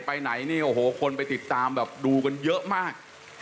ไปไหนคนไปติดตามดูกันเยอะมาก